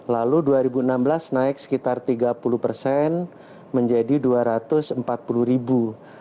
lalu dua ribu enam belas naik sekitar tiga puluh persen menjadi dua ratus empat puluh ribu